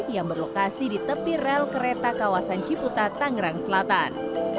yang berlokasi di tepi rel kereta kawasan ciputa tangerang selatan